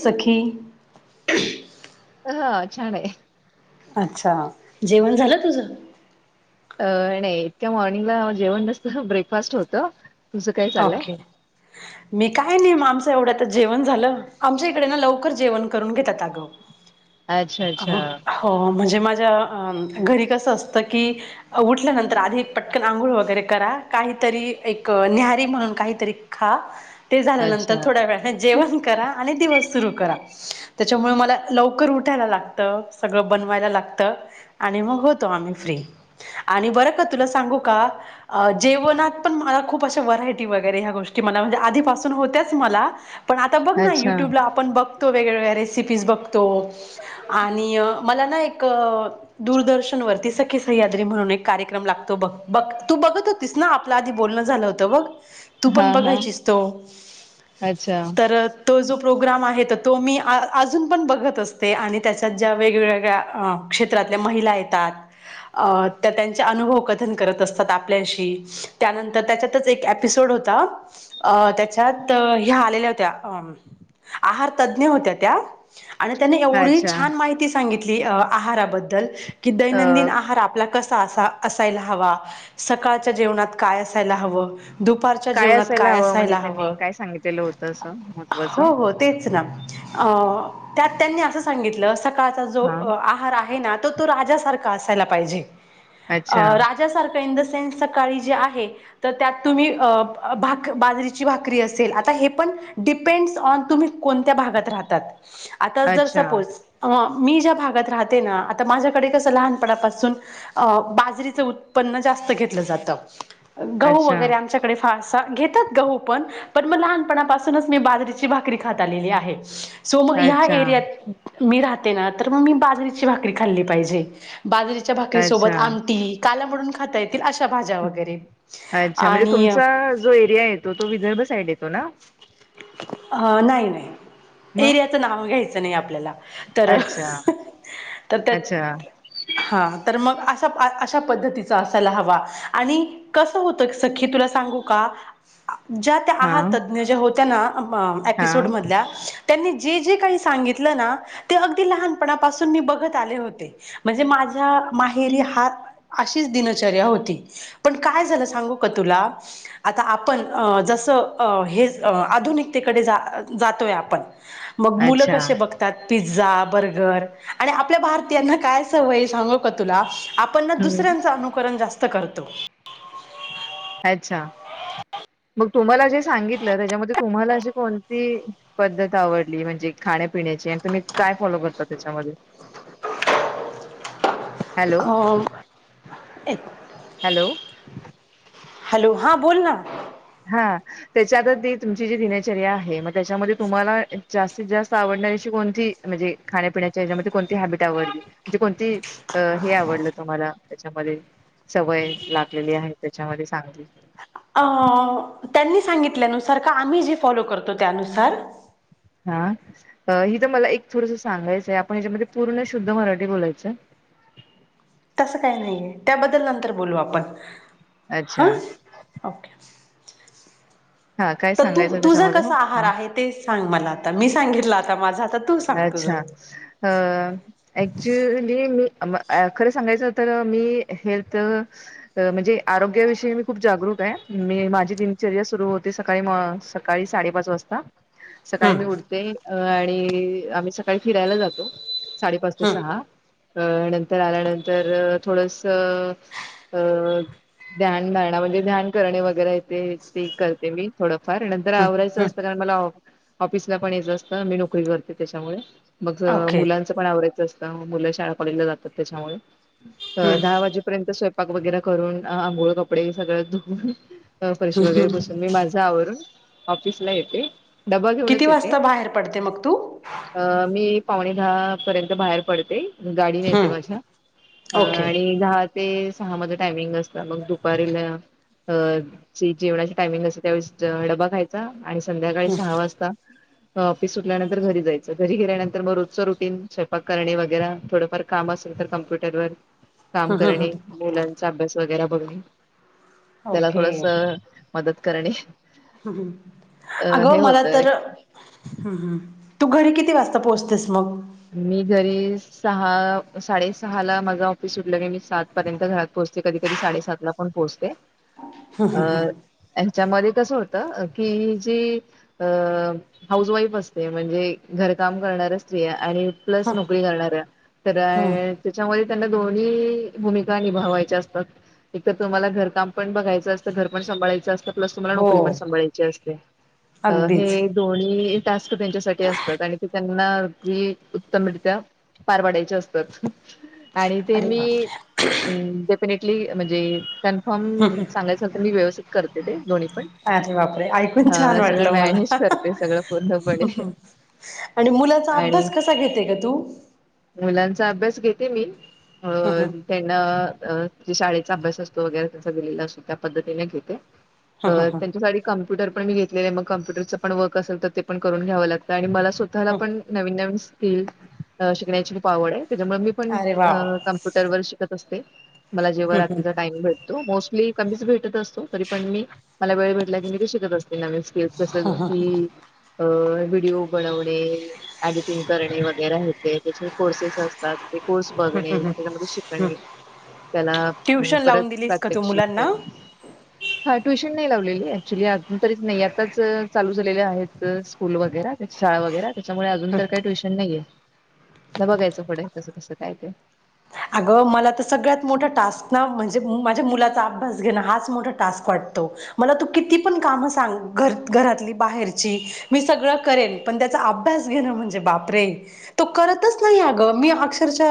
सखी ह छान! आहे अच्छा! जेवण झालं तुझ? अ नाही इतक्या मॉर्निंगला जेवण नसतं ब्रेकफास्ट होतं तुझं काय चाललंय? ओके मी काय निम आम एवढं जेवण झालं आमच्या इकडे ना लवकर जेवण करून घेतात आगं अच्छा अच्छा म्हणजे माझ्या घरी कसं असतं की उठल्यानंतर आधी पटकन आंघोळ वगैरे करा काहीतरी एक न्याहरी म्हणून काहीतरी खा ते झाल्यानंतर अच्छा, थोड्या वेळाने जेवण करा आणि दिवस सुरू करा त्याच्यामुळे मला लवकर उठायला लागत सगळं बनवायला लागतं आणि मग होतो आम्ही फ्री आनी बरं का तुला सांगू का जेवणात पण मला खूप अशा व कि वगैरे ह्या गोष्टी मला म्हणजे आधीपासून होत्याच मला पण आता बघ ना अच्छा. युट्यूबला आपण बघ तो वेगवेगळ्या रेसिपीज बघतो आणि मला ना एक दूरदर्शन वरती स सह्याद्री म्हणून एक कार्यक्रम लागतो बघ बघ तू बघत होतीस ना आपल्या आधी बोलणं झालं होतं बघ तू पण हां, हां. बघायचीस तो अच्छा, तर तो जो प्रोग्राम आहे तर तो मी आ अजून पण बघत असते आणि त्याच्यात ज्या वेगवेगळ्या अं क्षेत्रातल्या महिला येतात अ त्या त्यांचे अनुभव कथन करत असतात आपल्याशी त्यानंतर त्याच्यातच एक यॅप तिसोड होता अं त्याच्यात ह्या आलेल्या होत्या अम आहार तज्ज्ञ होत्या त्या आणि त्याने एवढी अच्छा. छान माहिती सांगितली आहाराबद्दल की दैनंदिन अ, आहार आपला कस अस असायला हवा सकाळच्या जेवणात काय असायला हवं दुपारच्या जेवणात काय हवं म्हणजे असायला त्यांनी हवं काय सांगितलेलं होतं असं महत्त्वाचं? हो हो तेच ना अ त्यात त्यांनी असं सांगितलं सकाळचा जो हां. आहार आहे ना तो तो राजासारखा असायला पाहिजे अ अच्छा, राजासारखं इन द सेन्स सकाळी जे आहे तर त्यात तुम्ही अं भाक-बाजरीची भाकरी असेल आता हे पण डिपेंड्स ऑन तुम्ही कोणत्या भा हगत राहतात आता जर अच्छा, सपोझ अ मी ज्या भागात राहते ना आता माझ्याकडे कसं लहानपणापासून अ बाजरीचं उत्पन्न जा घेतलं जातं अच्छा तिकडे फारसं घेतात गहू पन पण मग लहानपणापासूनच मी बाजरीची भाकरी खात आलेली आहे सो मग ह्या अच्छा, एरियात मी राहते ना तर मग मी बाजरीची भाकरी खाल्ली पाहिजे बाजरीच्या अच्छा, भाकरीसोबत आमटी कालामडून खाता येतील अशा भाज्या वगैरे अच्छा म्हणजे आणि तुमचा जो एरिया येतो तो विदर्भ साईड येतो ना अ नाही नाही मग? एरियाचं नाव घ्यायचं नाही आपल्याला. तर अच्छा, तत अच्छा. हा तर मग अस अशा पद्धतीचा असायला हवा आणि कसं होतं सखी तुला सांगू का? ज्या त्या हां, आहारतज्ज्ञ ज्या होत्या ना अंम एपिसोड हां. मधल्या. त्यांनी जे जे काही सांगितलं ना ते अगदी लहानपणापासून मी बघत आले होते म्हणजे मा माझ माहेरी हा अशीच दिनचर्या होती पण काय झालं सांगू का तुला आता आपण जस हे आधुनिकतेकडे जातोय आपण मग मुलं अच्छा, कशे बघतात पिझ्झा बर्गर आणि आपल्या भारतीयांना काय सवय सांगू का तुला आपण ना हं. दुसऱ्यांचं अनुकरण जास्त करतो अच्छा मग तुम्हाला जे सांगितलं त्याच्यामध्ये तुम्हाला अशी कोणती पद्धत आवडली म्हणजे खाण्यापिण्याची आणि तुम्ही काय फॉलो करता त्याच्यामध्ये [unintelligible] हॅलो हो एक हॅलो हॅलो हां बोल ना हा त्याच्यात ती तुमची जी दिनचर्या आहे, मग त्याच्यामध्ये तुम्हाला जास्तीत जास्त आवड कोणती म्हणजे खाण्यापण्याच्याच्या कोणती हॅबिट आवडली म्हणजे कोणती आवड? तुम्हाला त्याच्यामध्ये सवय लागलेली आहे त्याच्यामध्ये सांगली त्यां सांगितल्यानुसार का आम्ही जे फॉलो करतो त्यानुसार हा हि तर मला एक थोडस सांगायचंय आपण याच्यामध्ये पूर्ण शुद्ध मराठी बोलायचं ह तसं काय नाहीय त्याबद्दल नंतर बोलू आपण हा अच्छा ओके हा काय तर तू सांगायचं तुझा त्याच्यामध्ये हो कसा हा आहार आहे ते सांग मला आता मी सांगितलं आता माझा तू सांग अच्छा! तुझं अ ऍक्चुली मी, खरं सांगायचं तर मी हेल्थ म्हणजे आरोग्याविषयी मी खूप जागरूक मी माझी दिनचर्या सुरु होते सकाळी म सकाळी साडेपाच वाजता. सकाळी मी हम्म उठते आणि आम्ही सकाळी फिरायला जातो. साडेपाच ते हम्म सहा अ नंतर आल्यानंतर थोडंसं अ ध्यानधारणा म्हणजे ध्यान करणे वगैरे येत ते करते मी थोडं फर नंतर हम्म आवरायचं हम्म असतं कारण मला ऑफिसला पण यायचं असतं मी नोकरी करते त्याच्यामुळे मग ओके मुलांचं पण आवरायचं असतं मुलं शाळा काॅलेजला जातात त्याच्यामुळे हम्म दहा वाजेपर्यंत स्वयंपाक वगैरे करून आंघोळ कपडे सगळें धुवून फरशी वगैरे बसून मी माझा आवरून ऑफिसला येते. डबा किती घेऊनच येते. वाजता बाहेर पडते मग तू अ मी पावणे दहा पर्यंत बाहेर पडते. गाडी नेते हम्म माझ्या ओके आणि दहा ते सहा मध्ये टायमिंग असत मग दुपारीला, अ जी जेवणाची टायमिंग असते त्यावेळेस डबा खायचा. आणि संध्याकाळी हम्म सहा वाजता नंतर घरी जायचं घरी गेल्यानंतर मग रोजं रुटी स्वयंपाक करणे वगैरे थोडंफार काम असल तर कम्प् फरवारी काम हम्म हम्म करणे हम्म मुलांचा अभ्यास वगैरे बघणे त्याला ओके थोडंसं मदत करणे हा अ हे अगं! मला होतंय तर हम् हम् तू घरी किती वाजता पोहोचतेस? मग मी घरी सहा साडेसहा ला माझं ऑफिस उठलं क मी सात पर्यंत घरात पोह पोहचतेकधी कधी साडेसात ला पण पोहचते. हा हा हा मध्ये कस होत की जी अ हऊस वाईफ असते म्हणजे घर काम करणाऱ्या आणि प्लसनोकरी करणार हम्म त्याच्या मध्ये त्यांना दोन्ही भूमिका निभावायच्या असतात. एक तर तुम्हाला घरकाम पण बघायचं असं घर पण सांभाळायचं असतं. प्लस तुम्हाला हो नोकरी पण सांभाळायची असते अगदीच हे दोन्ही. टास्क त्यांच्यासाठी असतात आणि ते त्यांना उत्तमरित्या पार पडायचे असतात आणि ते अरे मी, बापरे डेफिनेटली म्हणजे कन्फर्म सांगायचं तर मी व्यवस्थित करते ते दोन्ही अरे बापरे ऐकून छान हा सगळं वाटलं मला मॅनेज करते सगळं पूर्णपणे. आणि मुलाचा आणि अभ्यास कसा घेते ग तू [unintelligible] मुलांचा अभ्यास घेत, ते मी अ हम्म हम्म त्यांना, ज शाळेचा अभ्यास असतो वगैरे त्यांचा दिलेला असतो, त्या पद्धतीने घेते. हम्म हम्म त्यांच्यासाठी कम्प्युटर पण मी घेत, मग कम्प्युटरचं पण वर्क असेल तर ते पण करून घ्यावं लागतं, आणि मला स्वतःला पण नवी नवीनकसिकील शिकची खूप आवड त्याच्यामुळे मी पण अरे वा कमप्युटर व श असते मला जेव्हा हम्म रात्री हम्म चा टाइम भेटतो मोस्ट ली, कमीच भेटत असतो, तरी पण मी मला वेळ भेटला की मी ते शिकत असतो. नवी स्किल्स अस की अ व्हिडिओ बनवणे, एडिटिंग करणे वगैरे येते त्याचे कोर्सेस असतात, ते कोर्स बघणे त्याच्यामध्ये शिकणे. त्या ट्युशन परत लावून दिलीस का तू प्रत्येशी, मुलांना? [unintelligible] हा ट्युश नाही लावलेली ऍक्च्युली अजून तरी नाही, आताच चालू झालेले आहेत स्कूल वगैरे शाळा वगैर, त्याच्यामुळे अजून तर काही ट्युशन नाही आहे, आत बघायचं पुढं आहे कसं कसं, काय काय, अगं मला तर सगळ्यात मोठा टास्क ना, म्हणजे माझ्या मुलाचा अभ्यास घेणं हाच मोठा टास्क वाटतो. मला तू किती पण काम सांग, घरातली, बाहेरची मी सगळे करेन. पण तेचा अभयास घेणं म्हणजे बापरे तो करतच नाही अग मी अक्षर्षा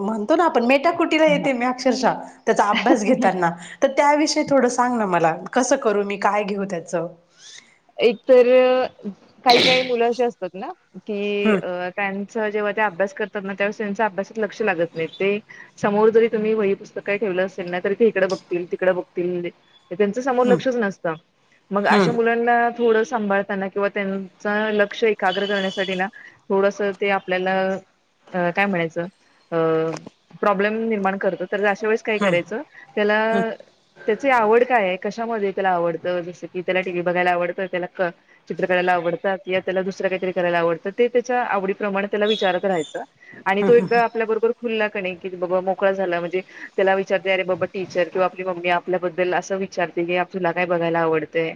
म्हणते, त करतो ना आपण [unintelligible] कुटीला ह येते मी अक्षरशः त्याचा अभ्यास घेतताना तर त्याविषयी थोडं सांग ना मला, कसं करू मी काय घेऊ त्याच? एक तर काही काही मुलं अशी असतात ना. कि हम्म अ त्यांच जेव्हा ते अभ्यास करतात ना तेव्हा त्यांच अभ्यासात लक्ष लागत नाही. ते समोर जरी तुम्ही वही पुस्तक काही ठेवलं असेल, ना तरी ते इिकडं बघतील तिकडं बघतील. त्यांच समोर हम्म लक्षच नसत मग अशा हम्म मुलां, थोड सांभताना किवा त्यांच लक्षएकघरेत करण्या थोडस आपल्या काय म्हणा च प्रब्लेम निर्माण करतत, तर अशा वेळेस काय करायचं त्याला त्याची आवड काय आहे कशामध्ये आवडतं जस कि त्या टीव्ही, बघायला आवत त्या चित्र करायला आवडतात, त्याला दुस काहीतरी करायला आवडतं, ते त्याच्या आवडीप्रमा तेला विचरत राहायचं, आणि तू एकदा आपल्या बरोबर, खुल्ला क कि बाबा मोकळा झाला म्हणजे त्याला विचारते, अरे बाबा टीचर किंवा आपली मम्मी आपल्याबद्दल अस विचारते की आप तुला काय बघायला आवडतेय,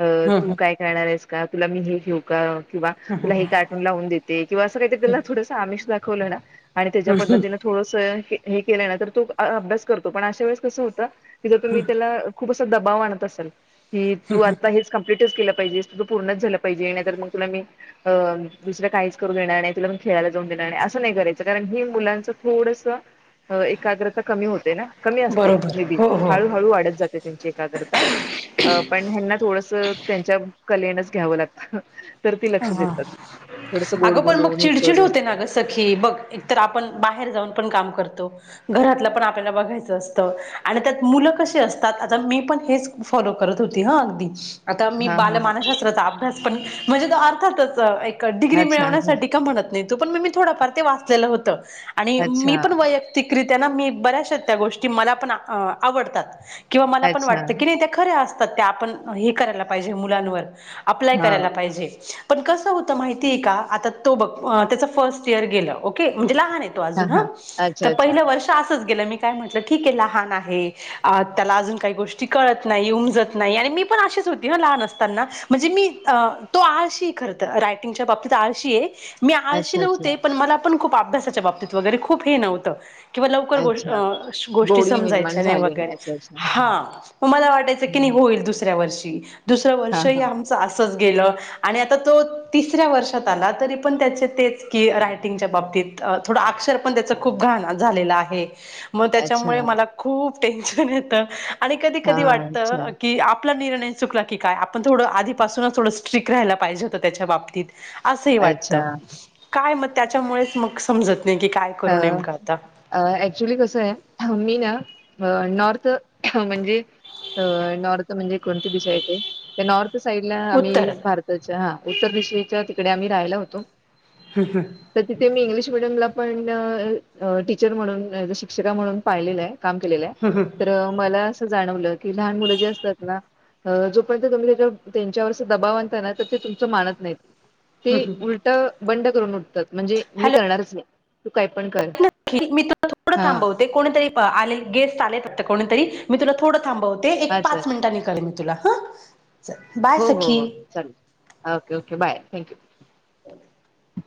अ तू हम्म काय करणार आहेस का, तुला मी हे घेऊ का? किंवा तुला हे कार्टून लावून देते, किंवा असं काहीला थोडंसं आमिष दाखवलं ना, आणि त्याच्या हम्म हम्म पद्धतीनें थोडास हे हे केल ना तर तो अभयास करतो, पण अश्या वेळीस कस होत तर तुम्ही तेला खूप असं तर दबाव आणत असेल, की तू आता कंप्लेंट च केलं पाहिजे ते सगळं, पूर्ण च झालं पाहिजे नाही तर मग तुला मी अ दुसरा काहीच करू देणार नाही. तुला खेळाला जाऊन देणार असं नाही, करायचं कारण की मुलांच थोडस एकाग्रता कमी होते ना. कमी असते. बरोबर मे बी हो हो. हळू, हळू वाढत जाते, त्यांची एग्रता पण हना, थोडस त्यांच्या कलेणच घ्यावं लागत, तर त लक्ष हा देतात. थोडस गोड अगं पण मग बोलून हे चिडचिड करून होते ना त्या पद्धतीने. सखी, बघ एकतर आपण बाहेर जाऊन पण काम करतो. करतो घरातल पण आपल्याला बघायच असत आणि त्यात मुलं पण कशी असतात आ मी पण हे, फॉलो करत होती, हा अगदी. आता मी हा बाल हा हा मानशास्त्राचा अभ्यास पण, म्हणजे तर अर्थातच एक डिग्री अच्छा अच्छा मिळवण्यासाठी का म्हणत नाही, तो पण मग मी थोडंफार ते वाचलेलं होतं. आणि मी अच्छा पण वैयक्तिक रित्या मी बऱ्याचा त्या गोष्टी मला पण, आवडतात. किंवा मला पण अच्छा वाटतं की नाही त्या खऱ्या असतात, त्या आपण हे करायला पाहिजे मुलांवर अप्लाय हा करायला पाहिजे. पण कसं होत माहिती आहे का, आता तो बघ त्याच फर्स्ट इयर गेलं ओके म्हणजे लहान आहे तो अजून हा, तर पहिल वर्ष असच, म काय म्हट ठीक लान आहे त्याला अजून का गोष्ट कत नाही उमत नाही हो ल असना म्हणजे मीो टच्या बाबतीत आळ मी आळ अच्छा अच्छा नव्हते पण मला पण खप अभ्यासाच्या बाबतीत वगैरे खूप हे नव्हतं किंवा लवकर गो अच्छा गोष्टी गोडी निर्माण समजायच्या नाही झाली वगैरे अच्छा अच्छा हा म मला वाटायचं की हा होईल दुसऱ्या वर्षी दुसरं हा वर्ष ह हा आमचं असच गेलं आणि आता तो तिसऱ्या वर्षात आला तरी पण त्याचे तेच की रायटिंगच्या बाबतीत थोडं अक्षर पण त्याच खूप घाण झालेलं आहे मग अच्छा त्याच्यामुळे मला खूप टेंशन येतं आणि कधी हा कधी वाटत अच्छा कि आप आपला निर्णय चुकला की काय आपण थोडं आधीपासूनच थोडं स्ट्रीक राहायला पाहिजे होतं त्याच्या बाबतीत असही वाटत. अच्छा काय मग त्याच्यामुळेचं मग समजत नाही की काय करू नेमकं आता अ ऍक्च्युली कसंय मी ना नॉर्थ म्हणजे नॉर्थ म्हणजे कोणती दिशा येते? ते नॉर्थ साईड ला आम्ही उत्तर भारताच्या हा उत्तर दिशेच्या तिकडे आम्ही राहियला होतो तर तिथे मी इंग्लिश मिडियमला आपण टीचर म्हणून ज अ शिक्षिका म्हणून पाहिलेलं आहे. काम केलेलं आहे हम्म हम्म तर मला असं जाणवलं की लहान मुलं जे असतात ना जोपर्यंत तुम्ही त्याच्या त्यांच्यावर दबाव आणताना तर ते तुमच मानत नाहीत. ते हम्म उलट बंड करून उठतात म्हणजे मी हॅलो करणारच नाही तू काय पण कर मी तु थोडं हा थांबवते कोणीतरी गेस्ट आले कोणीतरी मी तुला थोडं थांबवते एक अच्छा पाच अच्छा मिनिटांनी करेल मी तुला हा बाय हो हो हो सखी चालंल okay okay bye thank you